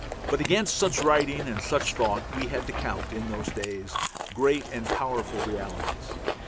But against such writing and such thought we had to count, in those days, great and powerful realities.